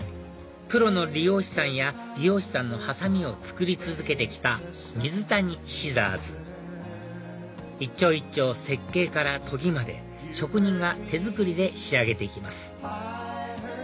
プロの理容師さんや美容師さんのハサミを作り続けてきたミズタニシザーズ一丁一丁設計から研ぎまで職人が手作りで仕上げていきます